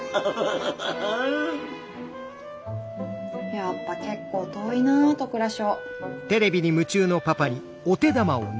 やっぱ結構遠いな戸倉小。